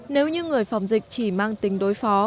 nếu như người phòng dịch chỉ mang tính đối phó